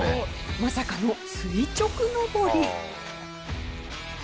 まさかの垂直登り。